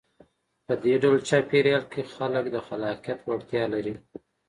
په دې ډول چاپېریال کې خلک د خلاقیت وړتیا لري.